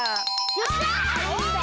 よっしゃあ！